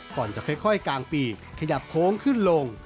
ก่อนจะค่อยกลางปีกขยับโค้งขึ้นลง